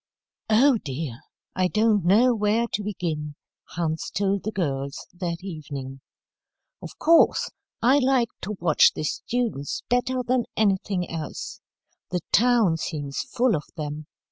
"Oh, dear, I don't know where to begin," Hans told the girls that evening. "Of course, I liked to watch the students better than anything else. The town seems full of them.